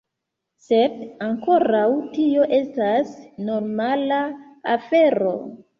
Sed ankoraŭ tio estas normala afero.